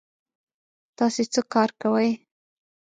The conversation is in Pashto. تاسې څه کار کوی؟